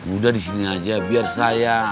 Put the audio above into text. udah di sini aja biar saya